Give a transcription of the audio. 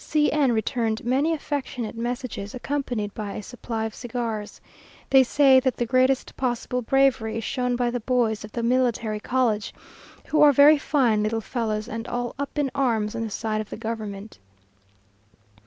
C n returned many affectionate messages, accompanied by a supply of cigars. They say that the greatest possible bravery is shown by the boys of the Military College, who are very fine little fellows, and all up in arms on the side of the government.